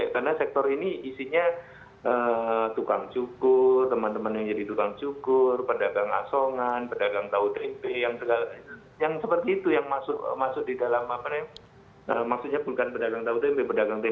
karena sektor ini isinya tukang cukur teman teman yang jadi tukang cukur pedagang asongan pedagang tahu tempe yang seperti itu yang masuk di dalam apa namanya maksudnya bukan pedagang tahu tempe pedagang tempe